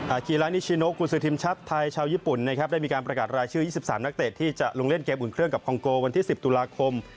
คีลานิชิโนกุศือทีมชาติไทยชาวญี่ปุ่นนะครับได้มีการประกาศรายชื่อ๒๓นักเตะที่จะลงเล่นเกมอุ่นเครื่องกับคองโกวันที่๑๐ตุลาคม